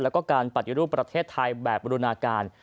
แล้วก็การปฏิรูปประเทศไทยแบบบรุณาการ